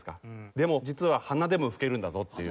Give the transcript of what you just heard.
でも実は鼻でも吹けるんだぞっていう。